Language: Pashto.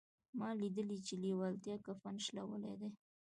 ما لیدلي چې لېوالتیا کفن شلولی دی